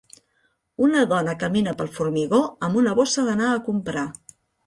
Una dona camina pel formigó amb una bossa d'anar a comprar